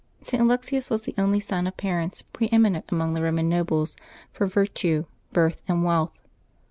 [t. Alexius was the only son of parents pre eminent among the Eoman nobles for virtue, birth, and wealth.